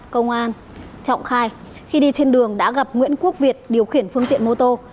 cơ quan trọng khai khi đi trên đường đã gặp nguyễn quốc việt điều khiển phương tiện mô tô